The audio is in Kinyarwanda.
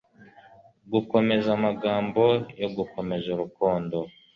gukomeza amagambo yo gukomeza urukundo